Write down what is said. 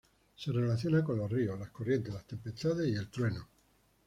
Se relaciona con los ríos, las corrientes, las tempestades y el trueno.